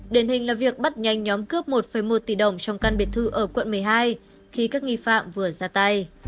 đền hình là việc bắt nhanh nhóm cướp một một tỷ đồng trong căn biệt thư ở quận một mươi hai khi các nghi phạm vừa ra tay